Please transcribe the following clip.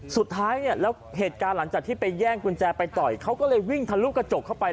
สุดท้ายเนี่ยแล้วเหตุการณ์หลังจากที่ไปแย่งกุญแจไปต่อยเขาก็เลยวิ่งทะลุกระจกเข้าไป